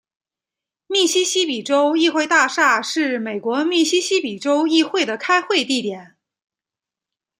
密西西比州议会大厦是美国密西西比州议会的开会地点。